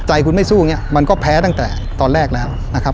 ใจคุณไม่สู้อย่างนี้มันก็แพ้ตั้งแต่ตอนแรกแล้วนะครับ